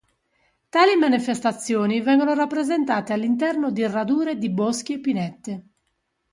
Tali manifestazioni vengano rappresentate all'interno di radure di boschi e pinete.